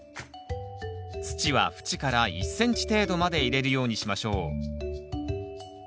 土は縁から１ｃｍ程度まで入れるようにしましょう。